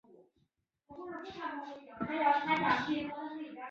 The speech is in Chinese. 长鳍壮灯鱼为辐鳍鱼纲灯笼鱼目灯笼鱼科壮灯鱼属的鱼类。